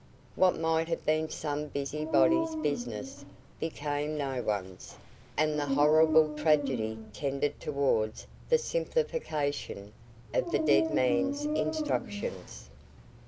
What might have been some busy body's business, became no one's, and the horrible tragedy tended towards the simplification, of the dead man's instructions.